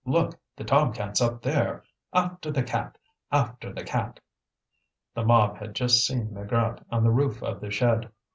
look! The tom cat's up there! After the cat! after the cat!" The mob had just seen Maigrat on the roof of the shed.